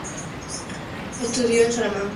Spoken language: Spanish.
Estudió en Salamanca.